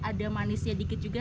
ada manisnya sedikit juga